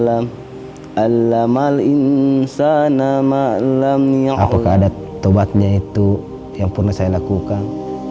alamial apakah ada tobatnya itu yang pernah saya lakukan